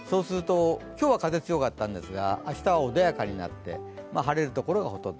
今日は風が強かったんですが明日は穏やかになって、晴れる所がほとんど。